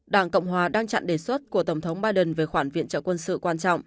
đảng cộng hòa đang chặn đề xuất của tổng thống biden về khoản viện trợ quân sự quan trọng